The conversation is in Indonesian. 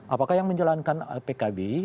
apakah yang menjalankan pkb